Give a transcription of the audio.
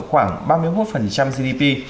khoảng ba mươi một gdp